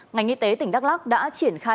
ngành y tế tỉnh đắk lắc đã triển khai